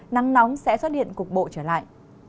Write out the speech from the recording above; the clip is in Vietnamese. nắng nóng sẽ xuất hiện cục bộ trở lại